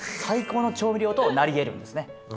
最高の調味料となりえるんですね。